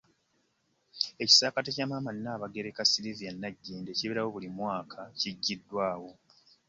Ekisaakate ekya Maama Nnaabagereka Sylvia Nagginda, ekibeerawo buli mwaka kiggyiddwawo